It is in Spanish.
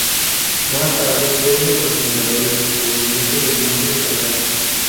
Más tarde fue uno de los fundadores del Movimiento del Nombre Sagrado.